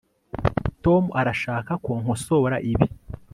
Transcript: tom arashaka ko nkosora ibi